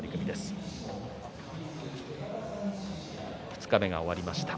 二日目が終わりました。